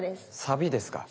サビですか？